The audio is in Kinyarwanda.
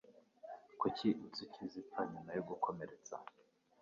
Kuki inzuki zipfa nyuma yo gukomeretsa?